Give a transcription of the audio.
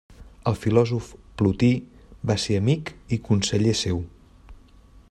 El filòsof Plotí va ser amic i conseller seu.